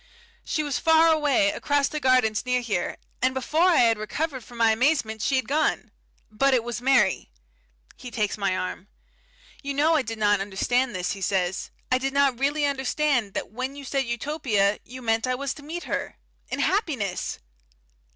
She was far away across those gardens near here and before I had recovered from my amazement she had gone! But it was Mary." He takes my arm. "You know I did not understand this," he says. "I did not really understand that when you said Utopia, you meant I was to meet her in happiness."